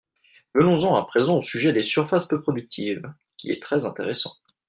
Venons-en à présent au sujet des surfaces peu productives, qui est très intéressant.